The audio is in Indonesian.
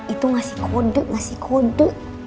itu ngasih kode ngasih kode